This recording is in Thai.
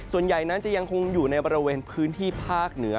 ส่วนใหญ่นั้นจะยังคงอยู่ในบริเวณพื้นที่ภาคเหนือ